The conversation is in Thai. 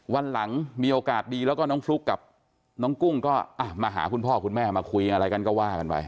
วันหลังมีโอกาสดีแล้วก็น้องฟลุ๊กกับน้องกุ้งก็มาหาคุณพ่อคุณแม่มาคุยอะไรกันก็ว่ากันไป